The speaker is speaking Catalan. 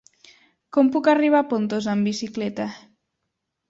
Com puc arribar a Pontós amb bicicleta?